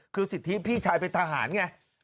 คือสิทธิพี่ชายเป็นทหารไง